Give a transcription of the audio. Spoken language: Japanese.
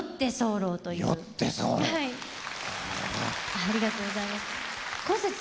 ありがとうございます。